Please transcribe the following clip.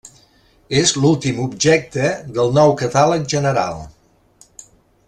És l'últim objecte del Nou Catàleg General.